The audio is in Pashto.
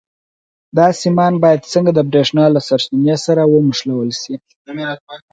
دا سیمان باید څنګه د برېښنا له سرچینې سره ونښلول شي؟